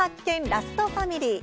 ラストファミリー」。